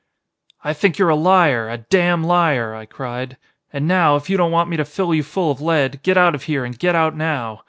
"I think you're a liar! A damn liar!" I cried. "And now, if you don't want me to fill you full of lead, get out of here and get out now!